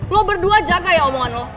lo berdua jaga ya omongan lo